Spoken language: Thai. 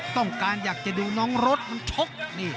ต้องการอยากดูน้องโรด